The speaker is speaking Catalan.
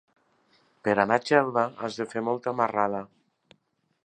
Per anar a Xelva has de fer molta marrada.